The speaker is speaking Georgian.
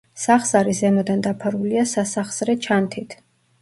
სახსარი ზემოდან დაფარულია სასახსრე ჩანთით.